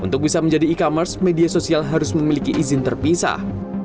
untuk bisa menjadi e commerce media sosial harus memiliki izin terpisah